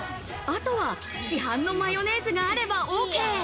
あとは市販のマヨネーズがあればＯＫ。